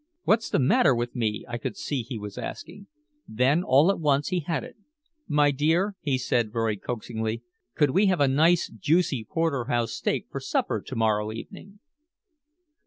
'What's the matter with me?' I could see he was asking. Then all at once he had it. 'My dear,' he said, very coaxingly, 'could we have a nice juicy porterhouse steak for supper to morrow evening?'"